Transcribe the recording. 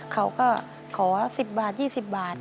เขาก็ขอ๑๐บาท๒๐บาท